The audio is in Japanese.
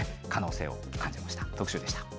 可能性を感じました。